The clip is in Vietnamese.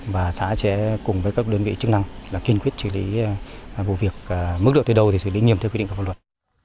và xã sẽ cùng với các đơn vị chức năng là kiên quyết xử lý vụ việc mức độ tới đâu thì xử lý nghiêm theo quy định của pháp luật